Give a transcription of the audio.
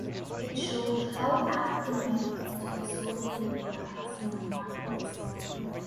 It showed how African migrants were sold in Libya at slave markets.